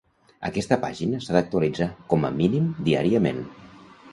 Aquesta pàgina s'ha d'actualitzar, com a mínim, diàriament.